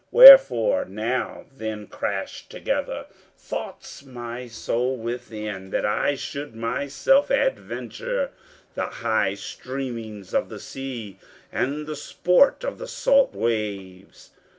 Wherefore now then crash together Thoughts my soul within that I should myself adventure The high streamings of the sea, and the sport of the salt waves!